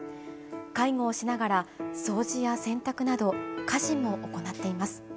介護をしながら、掃除や洗濯など家事も行っています。